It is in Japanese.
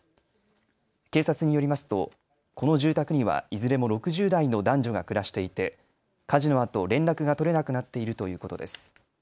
警察によりますと、この住宅にはいずれも６０代の男女が暮らしていて火事のあと連絡が取れなくなっているということです。